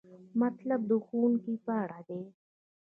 مطلب د ښوونکي په اړه دی.